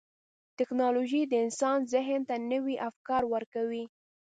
ټکنالوجي د انسان ذهن ته نوي افکار ورکوي.